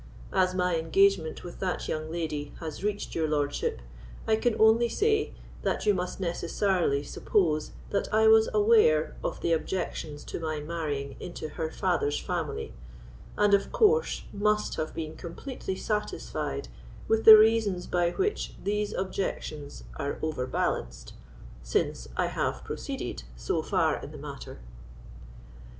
As my engagement with that young lady has reached your lordship, I can only say, that you must necessarily suppose that I was aware of the objections to my marrying into her father's family, and of course must have been completely satisfied with the reasons by which these objections are overbalanced, since I have proceeded so far in the matter."